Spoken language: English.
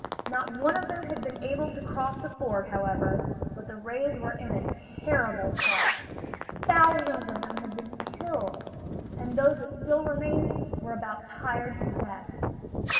Not one of them had been able to cross the ford, however. But the rays were in a terrible plight. Thousands of them had been killed; and those that still remained were about tired to death.